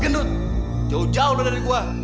gendut jauh jauh dari gua